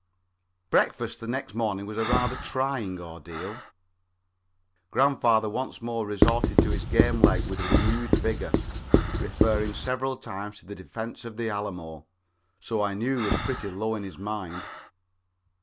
Breakfast the next morning was a rather trying ordeal. Grandfather once more resorted to his game leg with renewed vigor, referring several times to the defense of the Alamo, so I knew he was pretty low in his mind.